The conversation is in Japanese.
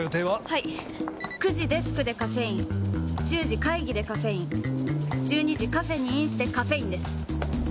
はい９時デスクでカフェイン１０時会議でカフェイン１２時カフェにインしてカフェインです！